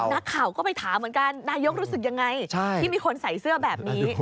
นักข่าวก็ไปถามเหมือนกันนายกรู้สึกยังไงที่มีคนใส่เสื้อแบบนี้